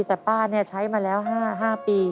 แต่ป้าเนี่ยใช้มาแล้ว๕ปี